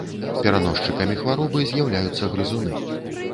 Пераносчыкамі хваробы з'яўляюцца грызуны.